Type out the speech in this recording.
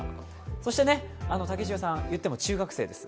そして武智代さん、言っても中学生です。